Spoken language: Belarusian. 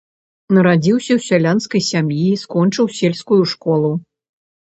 Нарадзіўся ў сялянскай сям'і, скончыў сельскую школу.